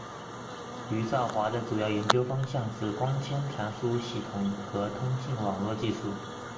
余少华的主要研究方向是光纤传输系统和通信网络技术。